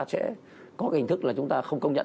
sẽ có cái hình thức là chúng ta không công nhận